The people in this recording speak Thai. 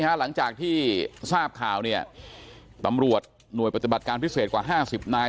หลังจากที่ทราบข่าวเนี่ยตำรวจหน่วยปฏิบัติการพิเศษกว่า๕๐นาย